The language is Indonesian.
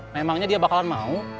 memangnya dia bakalan mau